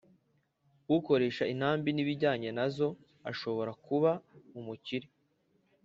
Ukoresha intambi n’ ibijyanye na zo ashobora kuba umukire